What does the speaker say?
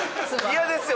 嫌ですよ！